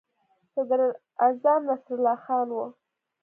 صدراعظم نصرالله خان وو.